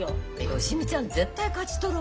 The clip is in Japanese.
芳美ちゃん絶対勝ち取るわよ。